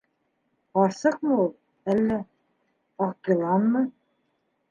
Ҡарсыҡмы ул, әллә... аҡ йыланмы?